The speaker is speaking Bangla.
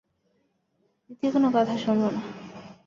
দ্বিতীয় কোনো কথা শুনব না।